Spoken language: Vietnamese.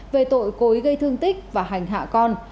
về tội cối gây thương tích và hành hạ con